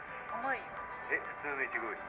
「えっ普通のイチゴより？」